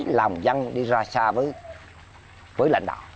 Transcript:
làm dân đi ra xa với lãnh đạo